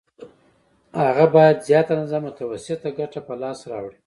هغه باید زیاته اندازه متوسطه ګټه په لاس راوړي